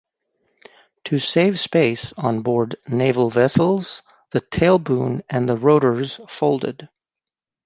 To save space on board naval vessels, the tail boom and the rotors folded.